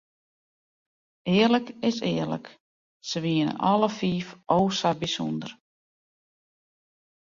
Earlik is earlik, se wienen alle fiif o sa bysûnder.